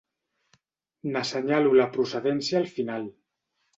N'assenyalo la procedència al final.